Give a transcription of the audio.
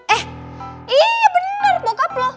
eh iya bener bokap lo